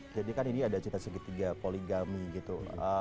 jadi kan ini ada cinta segitiga poligami gitu